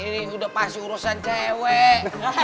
ini udah pasti urusan cewek